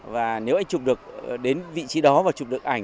và nếu anh chụp được đến vị trí đó và chụp được ảnh